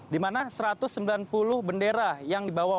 di mana satu ratus sembilan puluh bendera yang dibawa